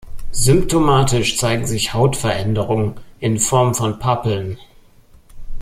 Symptomatisch zeigen sich Hautveränderungen in Form von Papeln.